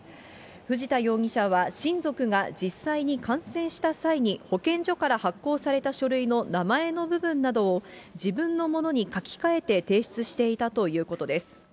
藤田容疑者は、親族が実際に感染した際に、保健所から発行された書類の名前の部分などを自分のものに書き換えて提出していたということです。